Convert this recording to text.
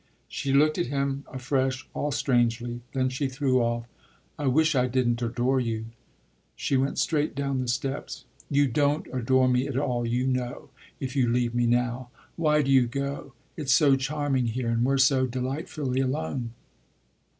She looked at him afresh all strangely; then she threw off: "I wish I didn't adore you!" She went straight down the steps. "You don't adore me at all, you know, if you leave me now. Why do you go? It's so charming here and we're so delightfully alone."